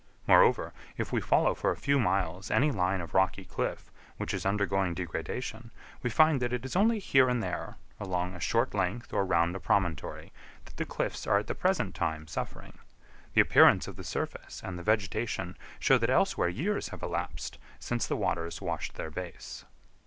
Moreover, if we follow for a few miles any line of rocky cliff, which is undergoing degradation, we find that it is only here and there, along a short length or round a promontory, that the cliffs are at the present time suffering. The appearance of the surface and the vegetation show that elsewhere years have elapsed since the waters washed their base.